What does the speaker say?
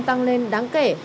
tăng lên đáng kể